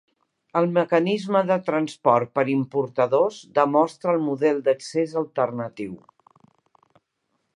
El mecanisme de transport per importadors demostra el model d'accés alternatiu.